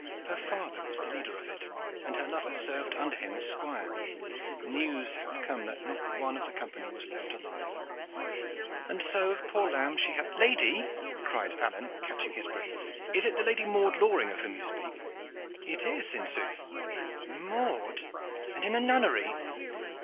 "Her father was the leader of it, and her lover served under him as squire. News hath come that not one of the Company was left alive, and so, poor lamb, she hath " "Lady!" cried Alleyne, with catching breath, "is it the Lady Maude Loring of whom you speak?" "It is, in sooth." "Maude! And in a nunnery!